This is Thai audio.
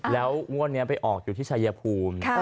แล้วงวดนี้ไปออกอยู่ที่ชายภูมิ